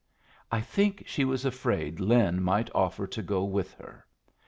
I think she was afraid Lin might offer to go with her.